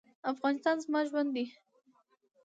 افغانستان زما ژوند دی